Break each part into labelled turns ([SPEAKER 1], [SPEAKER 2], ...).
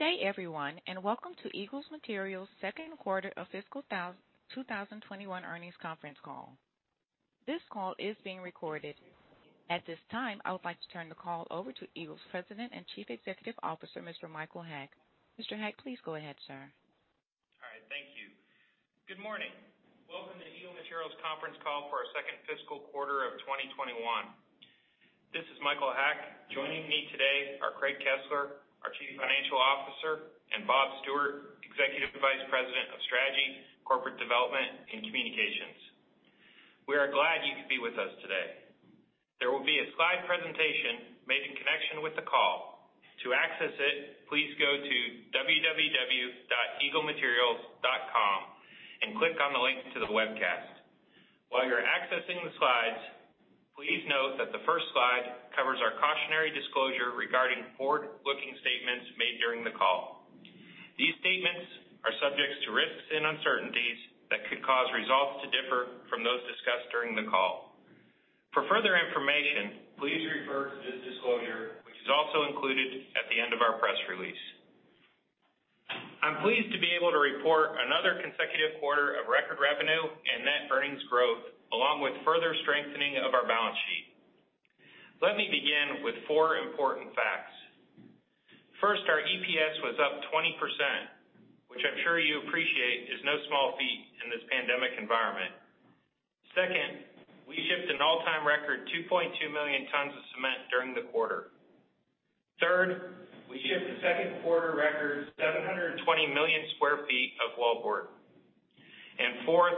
[SPEAKER 1] Good day, everyone, and welcome to Eagle Materials' second quarter of fiscal 2021 earnings conference call. This call is being recorded. At this time, I would like to turn the call over to Eagle's President and Chief Executive Officer, Mr. Michael Haack. Mr. Haack, please go ahead, sir.
[SPEAKER 2] All right. Thank you. Good morning. Welcome to Eagle Materials conference call for our second fiscal quarter of 2021. This is Michael Haack. Joining me today are Craig Kesler, our Chief Financial Officer, and Bob Stewart, Executive Vice President of Strategy, Corporate Development, and Communications. We are glad you could be with us today. There will be a slide presentation made in connection with the call. To access it, please go to www.eaglematerials.com and click on the link to the webcast. While you're accessing the slides, please note that the first slide covers our cautionary disclosure regarding forward-looking statements made during the call. These statements are subject to risks and uncertainties that could cause results to differ from those discussed during the call. For further information, please refer to this disclosure, which is also included at the end of our press release. I'm pleased to be able to report another consecutive quarter of record revenue and net earnings growth, along with further strengthening of our balance sheet. Let me begin with four important facts. First, our EPS was up 20%, which I'm sure you appreciate is no small feat in this pandemic environment. Second, we shipped an all-time record 2.2 million tons of cement during the quarter. Third, we shipped a second quarter record 720 million square feet of wallboard. Fourth,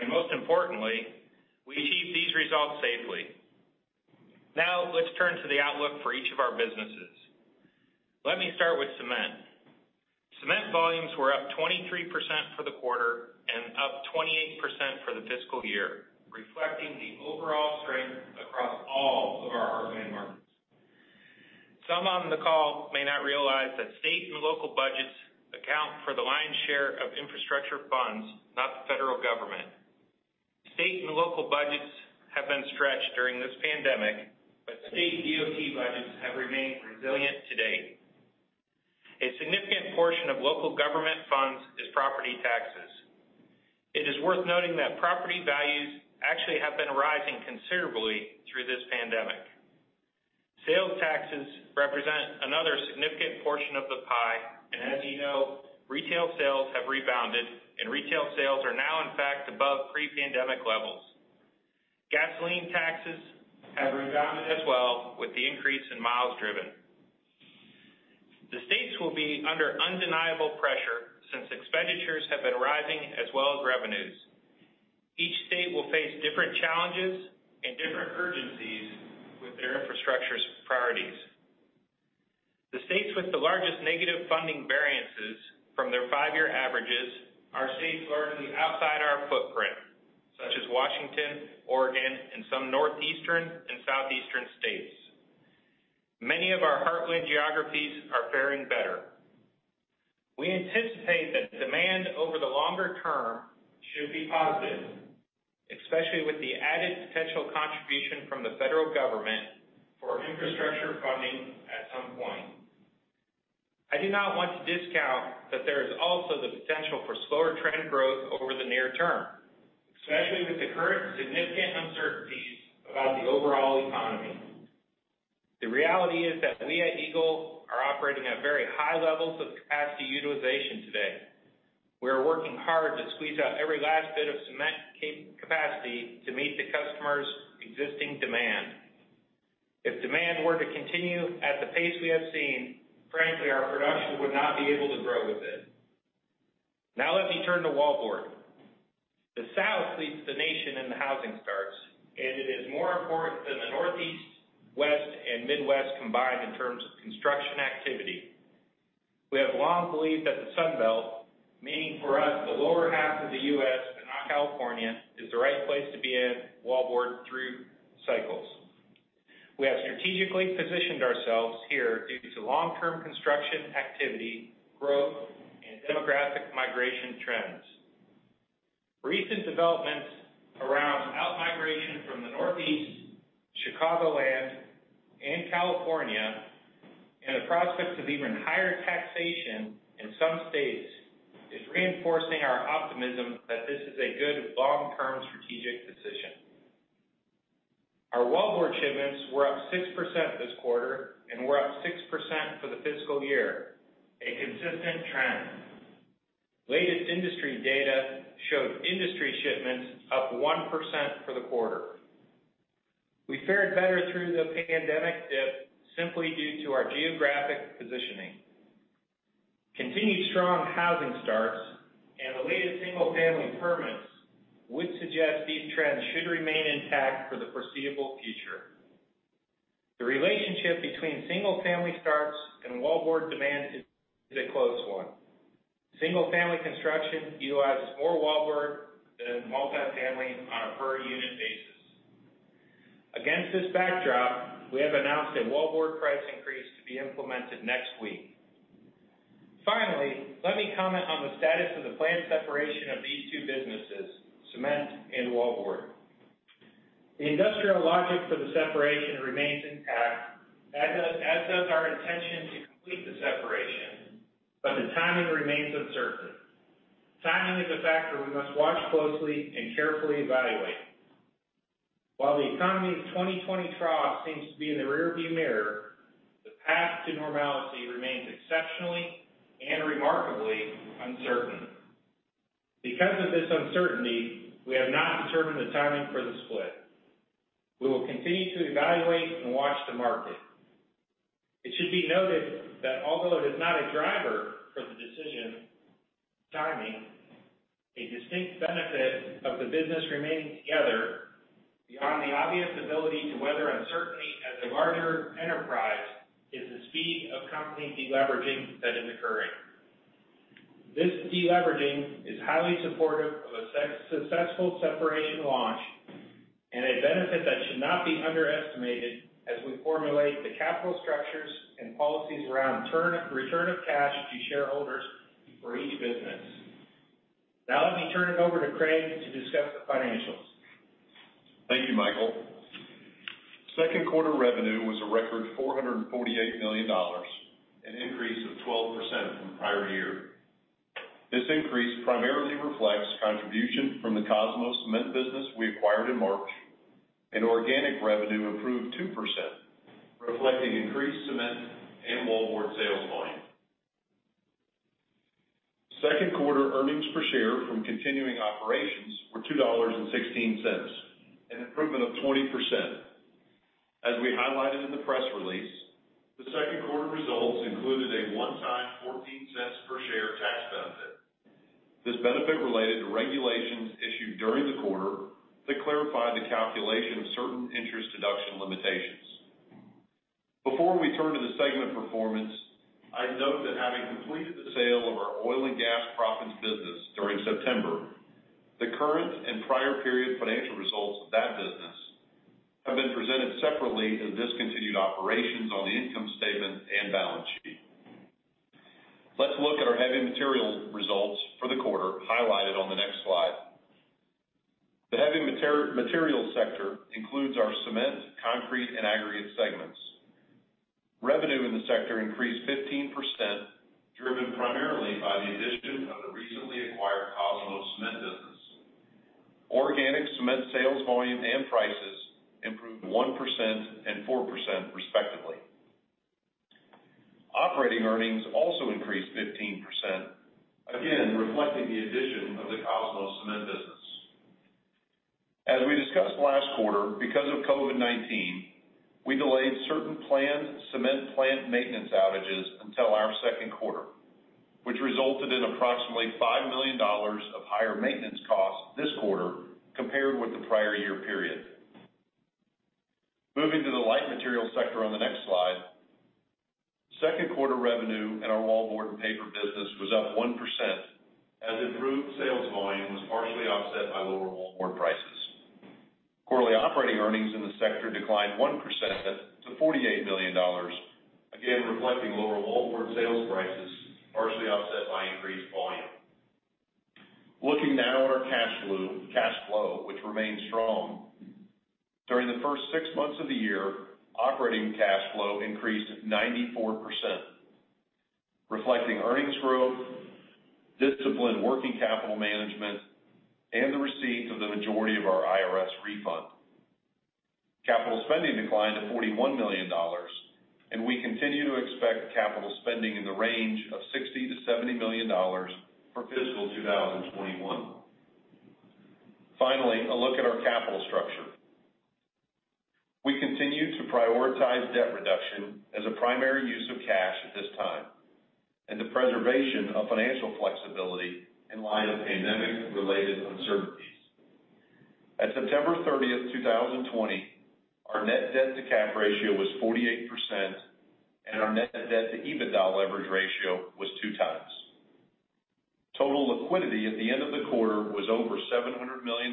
[SPEAKER 2] and most importantly, we achieved these results safely. Let's turn to the outlook for each of our businesses. Let me start with cement. Cement volumes were up 23% for the quarter and up 28% for the fiscal year, reflecting the overall strength across all of our heartland markets. Some on the call may not realize that state and local budgets account for the lion's share of infrastructure funds, not the federal government. State and local budgets have been stretched during this pandemic, but state DOT budgets have remained resilient to date. A significant portion of local government funds is property taxes. It is worth noting that property values actually have been rising considerably through this pandemic. Sales taxes represent another significant portion of the pie, and as you know, retail sales have rebounded, and retail sales are now in fact above pre-pandemic levels. Gasoline taxes have rebounded as well with the increase in miles driven. The states will be under undeniable pressure since expenditures have been rising as well as revenues. Each state will face different challenges and different urgencies with their infrastructure's priorities. The states with the largest negative funding variances from their five-year averages are states largely outside our footprint, such as Washington, Oregon, and some Northeastern and Southeastern states. Many of our heartland geographies are faring better. We anticipate that demand over the longer term should be positive, especially with the added potential contribution from the federal government for infrastructure funding at some point. I do not want to discount that there is also the potential for slower trend growth over the near term, especially with the current significant uncertainties about the overall economy. The reality is that we at Eagle are operating at very high levels of capacity utilization today. We are working hard to squeeze out every last bit of cement capacity to meet the customer's existing demand. If demand were to continue at the pace we have seen, frankly, our production would not be able to grow with it. Now let me turn to wallboard. The South leads the nation in the housing starts, and it is more important than the Northeast, West, and Midwest combined in terms of construction activity. We have long believed that the Sun Belt, meaning for us the lower half of the U.S., but not California, is the right place to be in wallboard through cycles. We have strategically positioned ourselves here due to long-term construction activity, growth, and demographic migration trends. Recent developments around out-migration from the Northeast, Chicagoland, and California, and the prospects of even higher taxation in some states is reinforcing our optimism that this is a good long-term strategic decision. Our wallboard shipments were up 6% this quarter, and we're up 6% for the fiscal year, a consistent trend. Latest industry data showed industry shipments up 1% for the quarter. We fared better through the pandemic dip simply due to our geographic positioning. Continued strong housing starts and the latest single-family permits would suggest these trends should remain intact for the foreseeable future. The relationship between single-family starts and wallboard demand is a close one. Single-family construction utilizes more wallboard than multifamily on a per-unit basis. Against this backdrop, we have announced a wallboard price increase to be implemented next week. Let me comment on the status of the planned separation of these two businesses, cement and wallboard. The industrial logic for the separation remains intact, as does our intention to complete the separation, but the timing remains uncertain. Timing is a factor we must watch closely and carefully evaluate. While the economy's 2020 trough seems to be in the rear view mirror, the path to normality remains exceptionally and remarkably uncertain. Because of this uncertainty, we have not determined the timing for the split. We will continue to evaluate and watch the market. It should be noted that although it is not a driver for the decision timing, a distinct benefit of the business remaining together, beyond the obvious ability to weather uncertainty as a larger enterprise, is the speed of company de-leveraging that is occurring. This de-leveraging is highly supportive of a successful separation launch and a benefit that should not be underestimated as we formulate the capital structures and policies around return of cash to shareholders for each business. Now let me turn it over to Craig to discuss the financials.
[SPEAKER 3] Thank you, Michael. Second quarter revenue was a record $448 million, an increase of 12% from prior year. This increase primarily reflects contribution from the Kosmos cement business we acquired in March, and organic revenue improved 2%, reflecting increased cement and wallboard sales volume. Second quarter earnings per share from continuing operations were $2.16, an improvement of 20%. As we highlighted in the press release, the second quarter results included a one-time $0.14 per share tax benefit. This benefit related to regulations issued during the quarter that clarified the calculation of certain interest deduction limitations. Before we turn to the segment performance, I'd note that having completed the sale of our oil and gas proppants business during September, the current and prior period financial results of that business have been presented separately as discontinued operations on the income statement and balance sheet. Let's look at our heavy material results for the quarter, highlighted on the next slide. The heavy materials sector includes our cement, concrete, and aggregate segments. Revenue in the sector increased 15%, driven primarily by the addition of the recently acquired Kosmos Cement business. Organic cement sales volume and prices improved 1% and 4% respectively. Operating earnings also increased 15%, again, reflecting the addition of the Kosmos Cement business. As we discussed last quarter, because of COVID-19, we delayed certain planned cement plant maintenance outages until our second quarter, which resulted in approximately $5 million of higher maintenance costs this quarter compared with the prior year period. Moving to the light materials sector on the next slide. Second quarter revenue in our wallboard and paperboard business was up 1%, as improved sales volume was partially offset by lower wallboard prices. Quarterly operating earnings in the sector declined 1% to $48 million, again reflecting lower wallboard sales prices, partially offset by increased volume. Looking now at our cash flow, which remains strong. During the first six months of the year, operating cash flow increased 94%, reflecting earnings growth, disciplined working capital management, and the receipt of the majority of our IRS refund. Capital spending declined to $41 million, and we continue to expect capital spending in the range of $60 million-$70 million for fiscal 2021. Finally, a look at our capital structure. We continue to prioritize debt reduction as a primary use of cash at this time, and the preservation of financial flexibility in light of pandemic-related uncertainties. At September 30th, 2020, our net debt to cap ratio was 48%, and our net debt to EBITDA leverage ratio was two times. Total liquidity at the end of the quarter was over $700 million,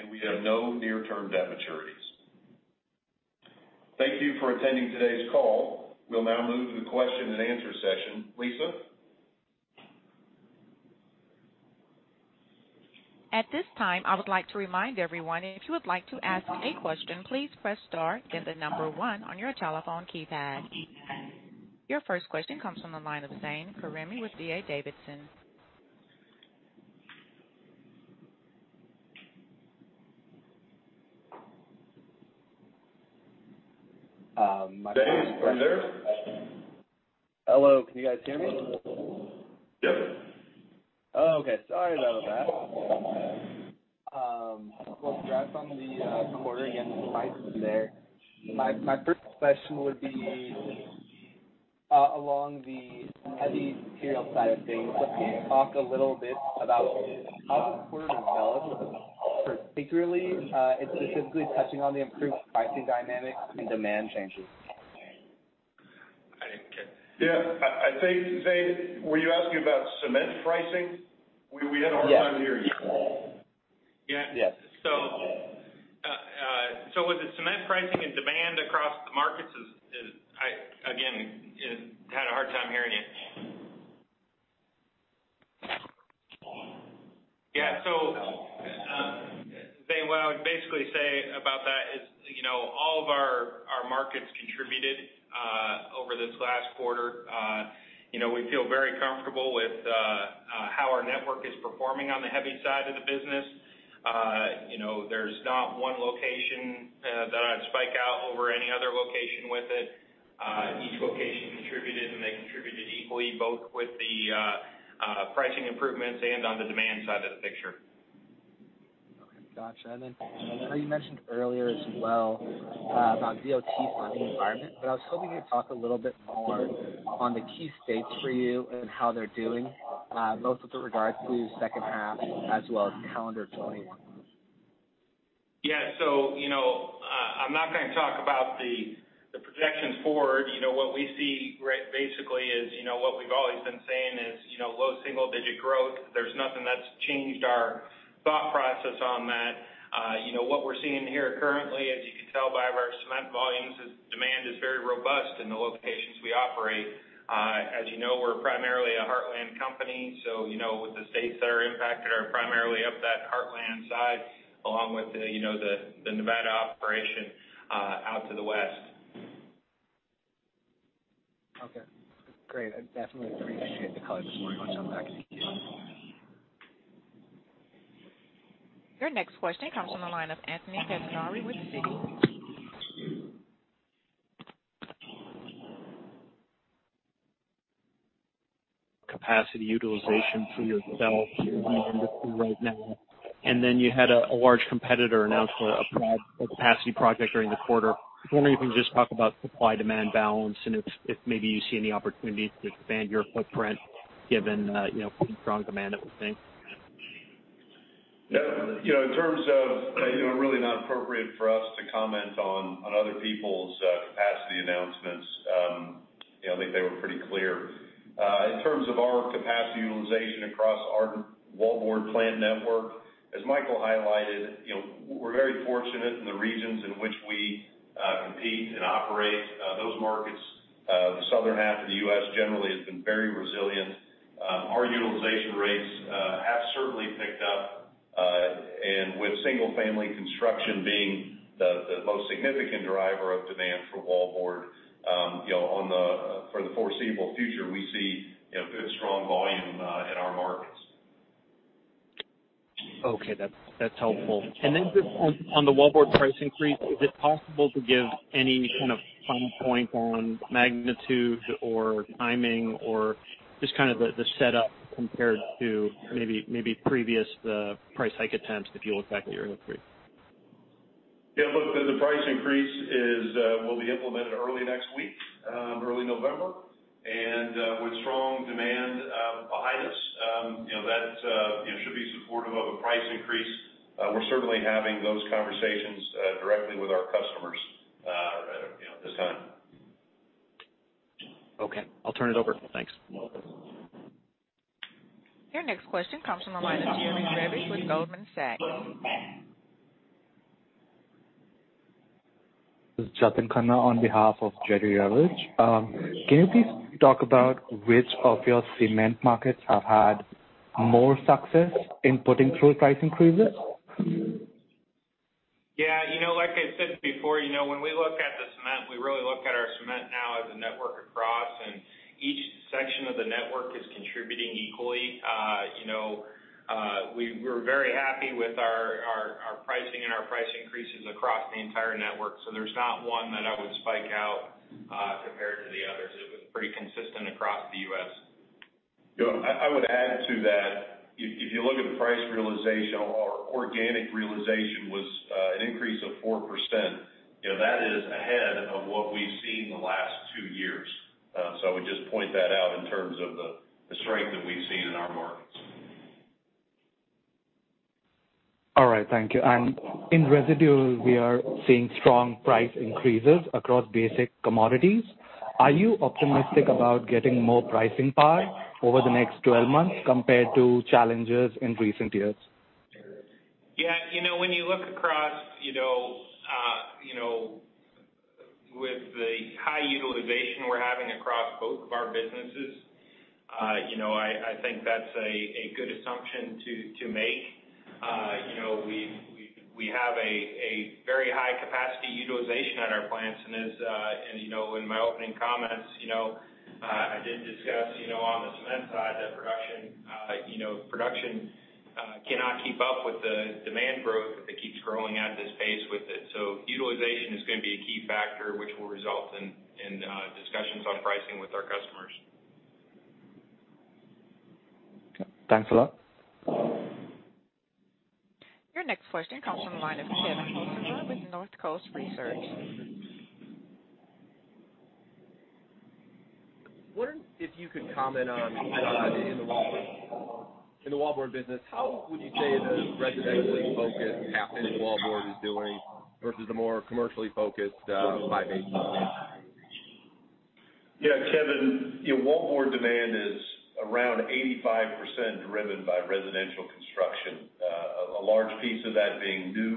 [SPEAKER 3] and we have no near-term debt maturities. Thank you for attending today's call. We'll now move to the question and answer session. Lisa?
[SPEAKER 1] At this time, I would like to remind everyone, if you would like to ask a question, please press star, then the number 1 on your telephone keypad. Your first question comes from the line of Zane Karimi with D.A. Davidson.
[SPEAKER 3] Zane, are you there?
[SPEAKER 4] Hello, can you guys hear me?
[SPEAKER 3] Yep.
[SPEAKER 4] Oh, okay. Sorry about that. We'll grab from the quarter and the slides from there. My first question would be along the heavy material side of things. Can you talk a little bit about how the quarter developed? Particularly, and specifically touching on the improved pricing dynamics and demand changes.
[SPEAKER 2] Yeah. Zane, were you asking about cement pricing?
[SPEAKER 4] Yes
[SPEAKER 2] Cement pricing and demand across the markets. I, again, had a hard time hearing you. Yeah. What I would basically say about that is, all of our markets contributed over this last quarter. We feel very comfortable with how our network is performing on the heavy side of the business. There's not one location that I'd spike out over any other location with it. Each location contributed, and they contributed equally, both with the pricing improvements and on the demand side of the picture.
[SPEAKER 4] Okay. Got you. I know you mentioned earlier as well about DOT funding environment, but I was hoping you'd talk a little bit more on the key states for you and how they're doing, both with regard to second half as well as calendar 2021.
[SPEAKER 2] Yeah. I'm not going to talk about the projections forward. What we see basically is what we've always been saying is, low single-digit growth. There's nothing that's changed our thought process on that. What we're seeing here currently, as you can tell by our cement volumes is demand is very robust in the locations we operate. As you know, we're primarily a Heartland company, so with the states that are impacted are primarily up that Heartland side along with the Nevada operation out to the west.
[SPEAKER 4] Okay, great. I definitely appreciate the color this morning on that.
[SPEAKER 1] Your next question comes from the line of Anthony Mazari with Citi.
[SPEAKER 5] Capacity utilization for your developments in the industry right now, and then you had a large competitor announce a capacity project during the quarter. I was wondering if you can just talk about supply-demand balance and if maybe you see any opportunities to expand your footprint given pretty strong demand that we're seeing?
[SPEAKER 3] Yeah. It's really not appropriate for us to comment on other people's capacity announcements. I think they were pretty clear. In terms of our capacity utilization across our wallboard plant network, as Michael highlighted, we're very fortunate in the regions in which we compete and operate. Those markets, the southern half of the U.S. generally has been very resilient. Our utilization rates have certainly picked up, and with single-family construction being the most significant driver of demand for wallboard. For the foreseeable future, we see good, strong volume in our markets.
[SPEAKER 5] Okay. That's helpful. Just on the wallboard price increase, is it possible to give any kind of time point on magnitude or timing or just the setup compared to maybe previous price hike attempts if you look back a year or three?
[SPEAKER 3] Yeah, look, the price increase will be implemented early next week, early November. With strong demand behind us, that should be supportive of a price increase. We're certainly having those conversations directly with our customers at this time.
[SPEAKER 5] Okay. I'll turn it over. Thanks.
[SPEAKER 1] Your next question comes from the line of Jerry Revich with Goldman Sachs.
[SPEAKER 6] This is Jatin Khanna on behalf of Jerry Revich. Can you please talk about which of your cement markets have had more success in putting through price increases?
[SPEAKER 2] Yeah. Like I said before, when we look at the cement, we really look at our cement now as a network across, and each section of the network is contributing equally. We're very happy with our pricing and our price increases across the entire network. There's not one that I would spike out compared to the others. It was pretty consistent across the U.S.
[SPEAKER 3] I would add to that, if you look at the price realization or organic realization was an increase of 4%. That is ahead of what we've seen the last two years. I would just point that out in terms of the strength that we've seen in our markets.
[SPEAKER 6] All right. Thank you. In residuals, we are seeing strong price increases across basic commodities. Are you optimistic about getting more pricing power over the next 12 months compared to challenges in recent years?
[SPEAKER 2] Yeah. When you look across with the high utilization we're having across both of our businesses, I think that's a good assumption to make. We have a very high capacity utilization at our plants, and as in my opening comments, I did discuss on the cement side that production cannot keep up with the demand growth if it keeps growing at this pace with it. Utilization is going to be a key factor, which will result in discussions on pricing with our customers.
[SPEAKER 6] Thanks a lot.
[SPEAKER 1] Your next question comes from the line of Kevin Hulsizer with Northcoast Research.
[SPEAKER 7] Wondering if you could comment on in the wallboard business, how would you say the residentially-focused half in wallboard is doing versus the more commercially focused by Mason?
[SPEAKER 3] Kevin, wallboard demand is around 85% driven by residential construction. A large piece of that being new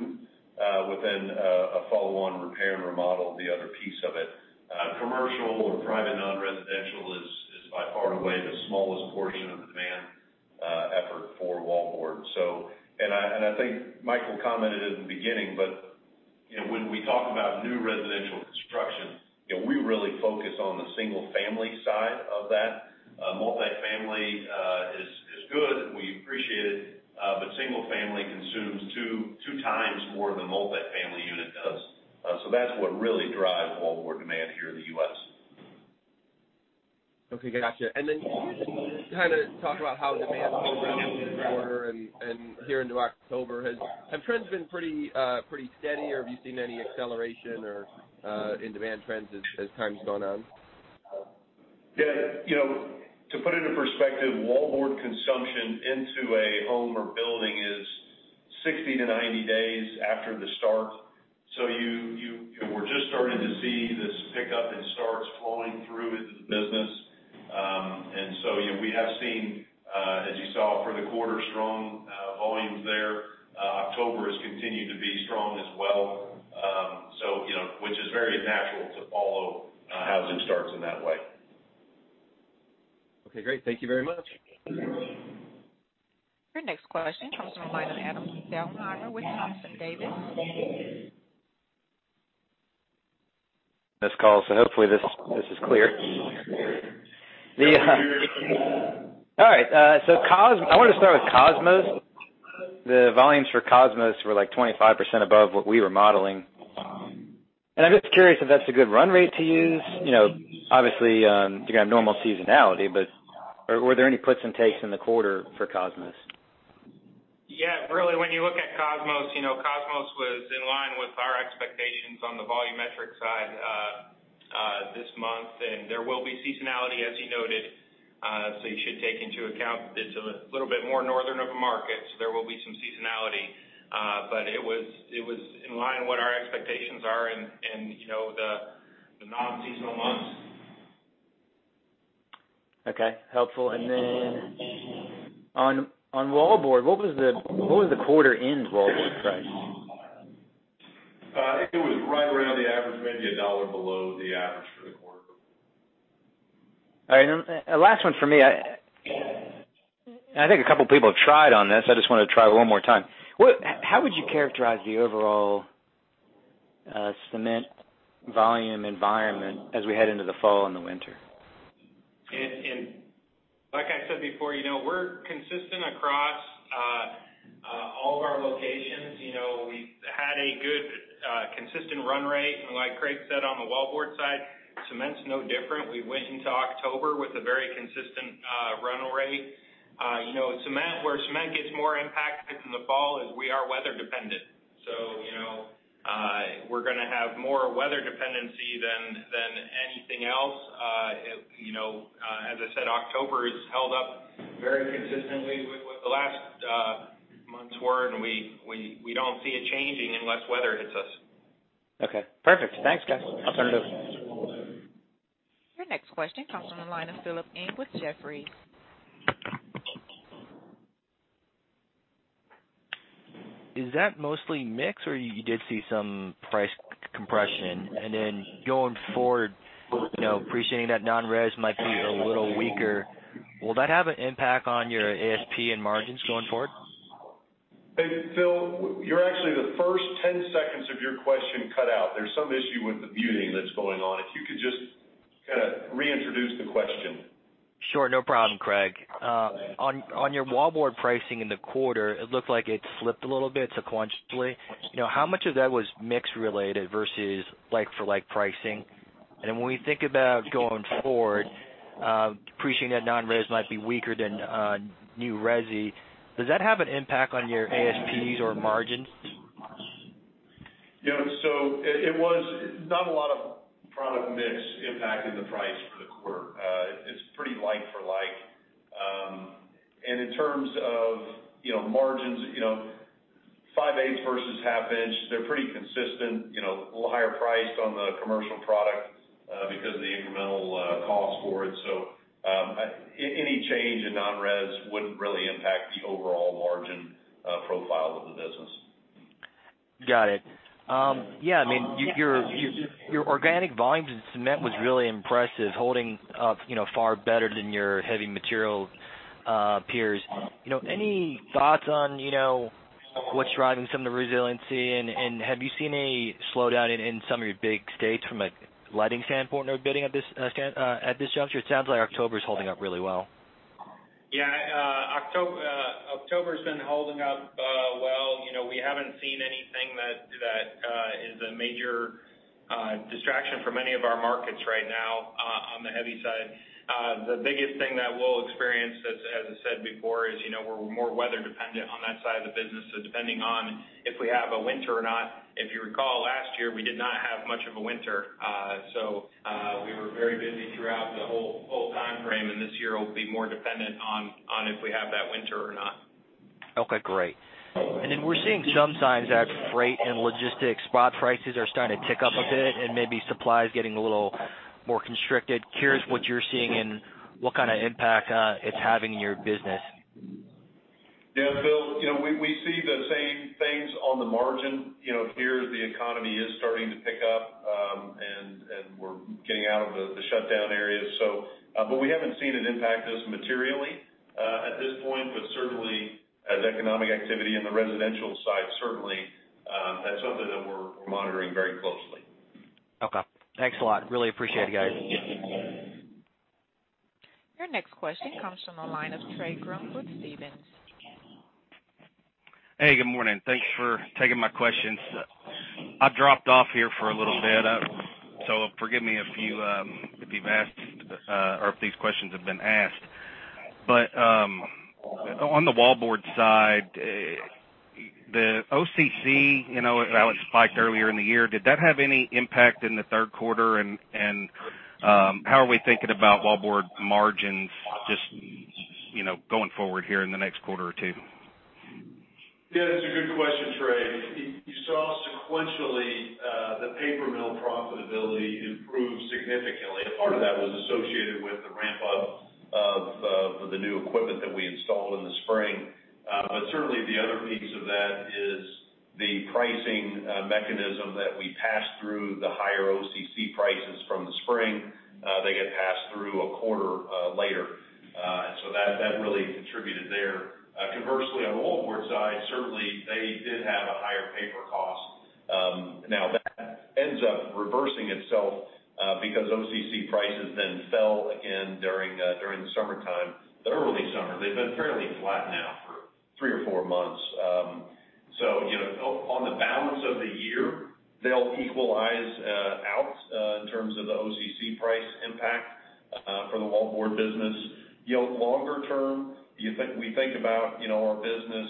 [SPEAKER 3] within a follow-on repair and remodel, the other piece of it. Commercial or private non-residential is by far and away the smallest portion of the demand effort for wallboard. I think Michael commented in the beginning, but when we talk about new residential construction, we really focus on the single-family side of that. Multi-family is good, we appreciate it, but single-family consumes 2 times more than a multi-family unit does. That's what really drives wallboard demand here in the U.S.
[SPEAKER 7] Okay, gotcha. Can you talk about how demand has been around in the quarter and here into October? Have trends been pretty steady, or have you seen any acceleration in demand trends as time's gone on?
[SPEAKER 3] Yeah. To put it in perspective, wallboard consumption into a home or building is 60-90 days after the start. You were just starting to see this pickup in starts flowing through into the business. We have seen, as you saw for the quarter, strong volumes there. October has continued to be strong as well. Which is very natural to follow housing starts in that way.
[SPEAKER 7] Okay, great. Thank you very much.
[SPEAKER 1] Your next question comes from the line of Adam Thalhimer with Thompson Davis.
[SPEAKER 8] This call, so hopefully this is clear. All right. I want to start with Kosmos. The volumes for Kosmos were like 25% above what we were modeling. I'm just curious if that's a good run rate to use. Obviously, you're going to have normal seasonality, but were there any puts and takes in the quarter for Kosmos?
[SPEAKER 2] Yeah, really, when you look at Kosmos was in line with our expectations on the volumetric side this month. There will be seasonality, as you noted. You should take into account that it's a little bit more northern of a market, so there will be some seasonality. It was in line with what our expectations are in the non-seasonal months.
[SPEAKER 8] Okay. Helpful. On wallboard, what was the quarter-end wallboard price?
[SPEAKER 3] It was right around the average, maybe $1 below the average for the quarter.
[SPEAKER 8] All right. Last one from me. I think a couple people have tried on this, I just want to try one more time. How would you characterize the overall cement volume environment as we head into the fall and the winter?
[SPEAKER 2] Like I said before, we're consistent across all of our locations. We've had a good, consistent run rate, and like Craig said, on the wallboard side, cement's no different. We went into October with a very consistent run rate. Where cement gets more impacted in the fall is we are weather dependent. We're going to have more weather dependency than anything else. As I said, October has held up very consistently with what the last months were, and we don't see it changing unless weather hits us.
[SPEAKER 8] Okay, perfect. Thanks, guys. I'll turn it over.
[SPEAKER 1] Your next question comes from the line of Philip Ng with Jefferies.
[SPEAKER 9] Is that mostly mix, or you did see some price compression? Going forward, appreciating that non-res might be a little weaker, will that have an impact on your ASP and margins going forward?
[SPEAKER 3] Hey, Phil, you're actually the first 10 seconds of your question cut out. There's some issue with the muting that's going on. If you could just reintroduce the question.
[SPEAKER 9] Sure, no problem, Craig. On your wallboard pricing in the quarter, it looked like it slipped a little bit sequentially. How much of that was mix related versus like for like pricing? When we think about going forward, appreciating that non-res might be weaker than new resi, does that have an impact on your ASPs or margins?
[SPEAKER 3] It was not a lot of product mix impacting the price for the quarter. It's pretty like for like. In terms of margins, five-eighths versus half-inch, they're pretty consistent. A little higher priced on the commercial product because of the incremental cost for it. Any change in non-res wouldn't really impact the overall margin profile of the business.
[SPEAKER 9] Got it. Yeah, your organic volumes in cement was really impressive, holding up far better than your heavy material peers. Any thoughts on what's driving some of the resiliency, and have you seen any slowdown in some of your big states from a lighting standpoint or bidding at this juncture? It sounds like October's holding up really well.
[SPEAKER 2] October's been holding up well. We haven't seen anything that is a major distraction for many of our markets right now on the heavy side. The biggest thing that we'll experience, as I said before, is we're more weather dependent on that side of the business, so depending on if we have a winter or not. If you recall, last year, we did not have much of a winter. We were very busy throughout this year will be more dependent on if we have that winter or not.
[SPEAKER 9] Okay, great. We're seeing some signs that freight and logistics spot prices are starting to tick up a bit, and maybe supplies getting a little more constricted. I'm curious what you're seeing and what kind of impact it's having in your business?
[SPEAKER 3] Yeah, Phil, we see the same things on the margin. Here, the economy is starting to pick up. We're getting out of the shutdown areas. We haven't seen it impact us materially, at this point, but certainly as economic activity in the residential side, that's something that we're monitoring very closely.
[SPEAKER 9] Okay. Thanks a lot. Really appreciate you guys.
[SPEAKER 1] Your next question comes from the line of Trey Grooms with Stephens.
[SPEAKER 10] Hey, good morning. Thanks for taking my questions. I've dropped off here for a little bit, so forgive me if these questions have been asked. On the wallboard side, the OCC, that spiked earlier in the year, did that have any impact in the third quarter? How are we thinking about wallboard margins just going forward here in the next quarter or two?
[SPEAKER 3] Yeah, that's a good question, Trey. You saw sequentially the paper mill profitability improved significantly. Part of that was associated with the ramp up of the new equipment that we installed in the spring. Certainly the other piece of that is the pricing mechanism that we pass through the higher OCC prices from the spring. They get passed through a quarter later. That really contributed there. Conversely, on the wallboard side, certainly they did have a higher paper cost. Now that ends up reversing itself, because OCC prices then fell again during the summertime, the early summer. They've been fairly flat now for three or four months. On the balance of the year, they'll equalize out, in terms of the OCC price impact for the wallboard business. Longer term, we think about our business.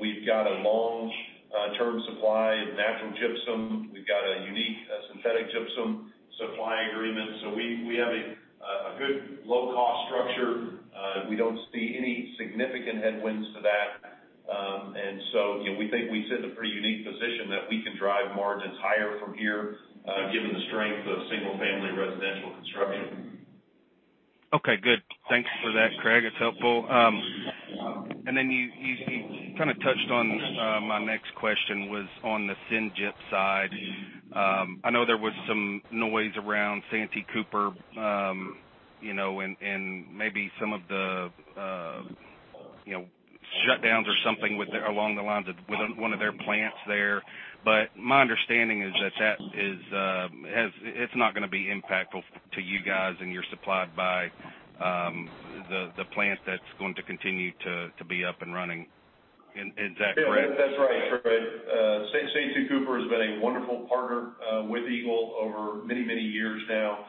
[SPEAKER 3] We've got a long-term supply of natural gypsum. We've got a unique synthetic gypsum supply agreement. We have a good low-cost structure. We don't see any significant headwinds to that. We think we sit in a pretty unique position that we can drive margins higher from here, given the strength of single-family residential construction.
[SPEAKER 10] Okay, good. Thanks for that, Craig. It's helpful. Then you kind of touched on my next question was on the syn gyps side. I know there was some noise around Santee Cooper, and maybe some of the shutdowns or something along the lines with one of their plants there. But my understanding is that it's not going to be impactful to you guys, and you're supplied by the plant that's going to continue to be up and running. Is that correct?
[SPEAKER 3] Yeah, that's right, Trey. Santee Cooper has been a wonderful partner with Eagle over many, many years now.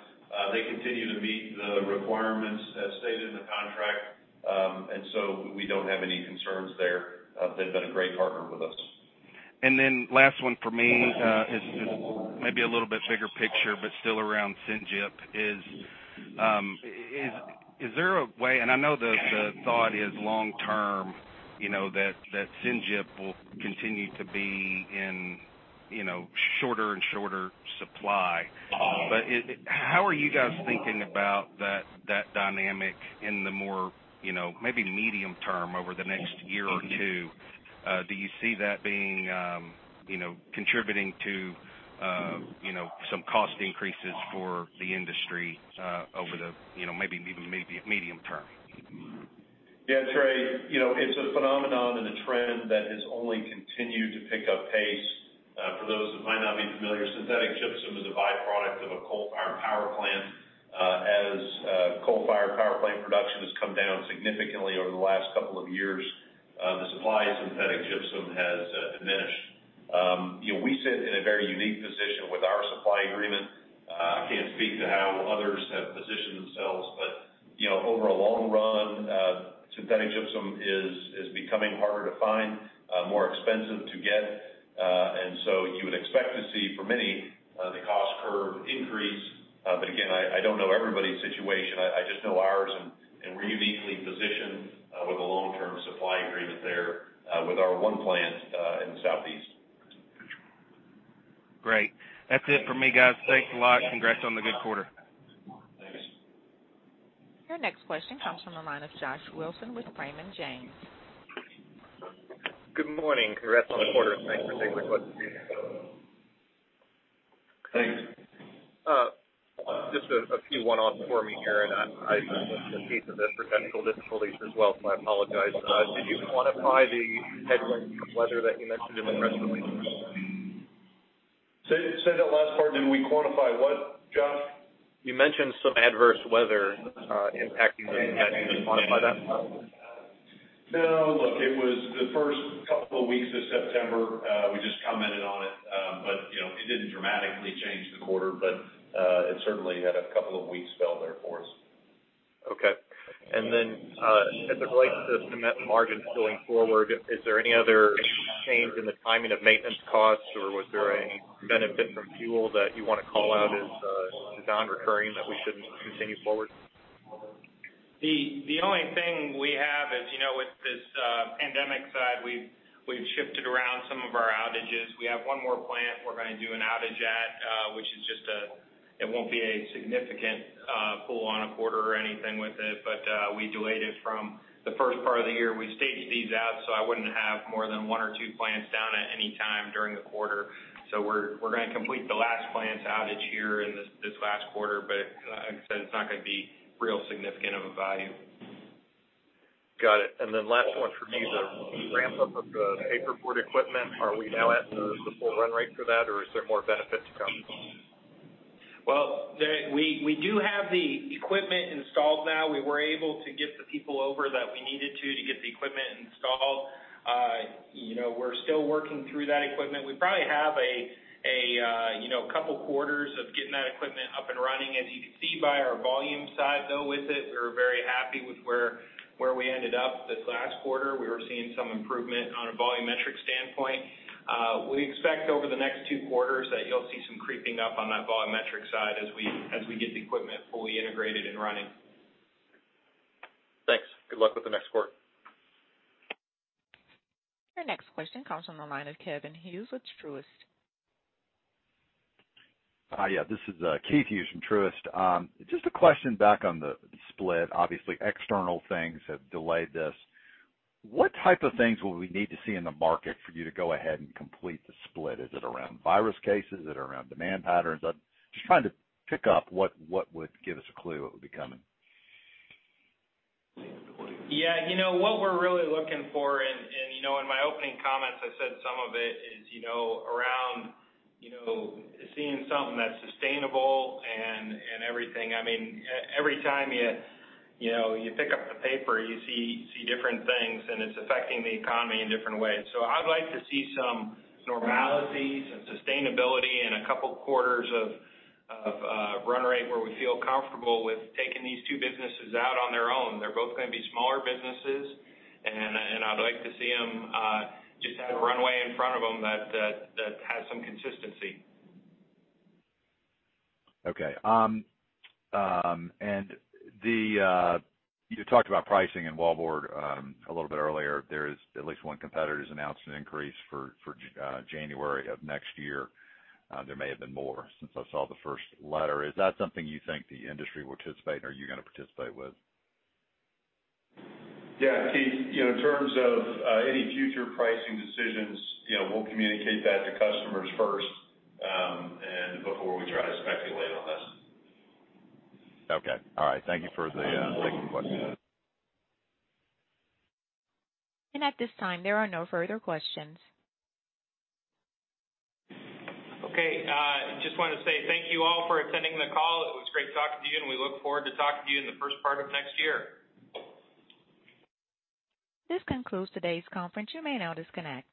[SPEAKER 3] They continue to meet the requirements as stated in the contract. We don't have any concerns there. They've been a great partner with us.
[SPEAKER 10] Then last one for me, is maybe a little bit bigger picture, but still around syn gyps. Is there a way, and I know the thought is long term, that syn gyps will continue to be in shorter and shorter supply? How are you guys thinking about that dynamic in the more maybe medium term over the next year or two? Do you see that contributing to some cost increases for the industry over the maybe medium term?
[SPEAKER 3] Yeah, Trey, it's a phenomenon and a trend that has only continued to pick up pace. For those who might not be familiar, synthetic gypsum is a byproduct of a coal-fired power plant. As coal-fired power plant production has come down significantly over the last couple of years, the supply of synthetic gypsum has diminished. We sit in a very unique position with our supply agreement. I can't speak to how others have positioned themselves, but over a long run, synthetic gypsum is becoming harder to find, more expensive to get. You would expect to see for many, the cost curve increase. Again, I don't know everybody's situation. I just know ours, and we're uniquely positioned with a long-term supply agreement there with our one plant in the Southeast.
[SPEAKER 10] Great. That's it for me, guys. Thanks a lot. Congrats on the good quarter.
[SPEAKER 3] Thanks.
[SPEAKER 1] Your next question comes from the line of Josh Wilson with Raymond James.
[SPEAKER 11] Good morning. Congrats on the quarter. Thanks for taking the question.
[SPEAKER 3] Thanks.
[SPEAKER 11] Just a few one-offs for me here, and I missed a piece of this for technical difficulties as well, so I apologize. Did you quantify the headwinds from weather that you mentioned in the press release?
[SPEAKER 3] Say that last part. Did we quantify what, Josh?
[SPEAKER 11] You mentioned some adverse weather impacting, can you quantify that?
[SPEAKER 3] Look, it was the first couple of weeks of September. We just commented on it, but it didn't dramatically change the quarter, but it certainly had a couple of weeks spell there for us.
[SPEAKER 11] Okay. As it relates to cement margins going forward, is there any other change in the timing of maintenance costs, or was there any benefit from fuel that you want to call out as non-recurring that we should continue forward?
[SPEAKER 2] The only thing we have is with this pandemic side, we've shifted around some of our outages. We have one more plant we're going to do an outage at, which it won't be a significant pull on a quarter or anything with it, but we delayed it from the first part of the year. We've staged these out. I wouldn't have more than one or two plants down at any time during the quarter. We're going to complete the last plant outage here in this last quarter, but like I said, it's not going to be real significant of a value.
[SPEAKER 11] Got it. Last one for me. The ramp-up of the paperboard equipment, are we now at the full run rate for that, or is there more benefit to come?
[SPEAKER 2] Well, we do have the equipment installed now. We were able to get the people over that we needed to get the equipment installed. We're still working through that equipment. We probably have a couple of quarters of getting that equipment up and running. As you can see by our volume side, though, with it, we're very happy with where we ended up this last quarter. We were seeing some improvement on a volumetric standpoint. We expect over the next two quarters that you'll see some creeping up on that volumetric side as we get the equipment fully integrated and running.
[SPEAKER 11] Thanks. Good luck with the next quarter.
[SPEAKER 1] Your next question comes from the line of Keith Hughes with Truist.
[SPEAKER 12] Hi, yeah. This is Keith Hughes from Truist. Just a question back on the split. Obviously, external things have delayed this. What type of things will we need to see in the market for you to go ahead and complete the split? Is it around virus cases? Is it around demand patterns? Just trying to pick up what would give us a clue what would be coming.
[SPEAKER 2] Yeah. What we're really looking for, and in my opening comments, I said some of it is around seeing something that's sustainable and everything. Every time you pick up the paper, you see different things, and it's affecting the economy in different ways. I'd like to see some normalities and sustainability in a couple of quarters of run rate where we feel comfortable with taking these two businesses out on their own. They're both going to be smaller businesses, and I'd like to see them just have runway in front of them that has some consistency.
[SPEAKER 12] Okay. You talked about pricing and wallboard a little bit earlier. At least one competitor's announced an increase for January of next year. There may have been more since I saw the first letter. Is that something you think the industry will participate in, or are you going to participate with?
[SPEAKER 2] Yeah, Keith. In terms of any future pricing decisions, we'll communicate that to customers first and before we try to speculate on this.
[SPEAKER 12] Okay. All right. Thank you for taking the question.
[SPEAKER 1] At this time, there are no further questions.
[SPEAKER 2] Okay. Just wanted to say thank you all for attending the call. It was great talking to you, and we look forward to talking to you in the first part of next year.
[SPEAKER 1] This concludes today's conference. You may now disconnect.